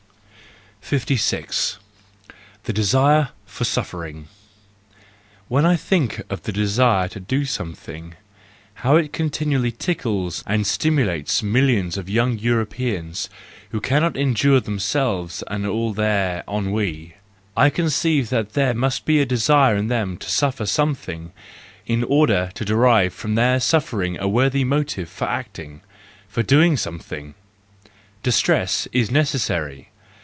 56. The Desire for Suffering .—When I think of the desire to do something, how it continually tickles and stimulates millions of young Europeans, who cannot endure themselves and all their ennui,— I conceive that there must be a desire in them to suffer something, in order to derive from their suffering a worthy motive for acting, for doing something. Distress is necessary!